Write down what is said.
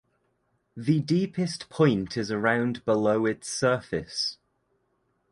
The deepest point is around below its surface.